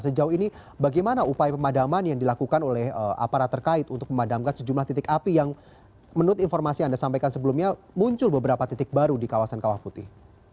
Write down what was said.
sejauh ini bagaimana upaya pemadaman yang dilakukan oleh aparat terkait untuk memadamkan sejumlah titik api yang menurut informasi anda sampaikan sebelumnya muncul beberapa titik baru di kawasan kawah putih